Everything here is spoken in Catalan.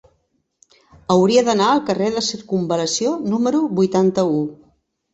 Hauria d'anar al carrer de Circumval·lació número vuitanta-u.